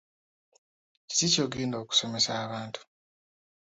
Kiki ky'ogenda okusomesa abantu?